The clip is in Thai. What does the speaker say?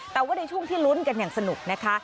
แต่ว่าในช่วงที่ลุ้นกันอย่างสนุกนะคะ